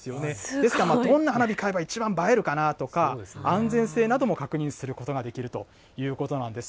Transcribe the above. ですから、どんな花火買えば、一番映えるかなとか、安全性なども確認することができるということなんです。